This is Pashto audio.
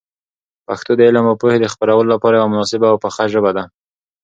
پښتو د علم او پوهي د خپرولو لپاره یوه مناسبه او پخه ژبه ده.